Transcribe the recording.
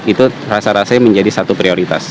itu rasa rasanya menjadi satu prioritas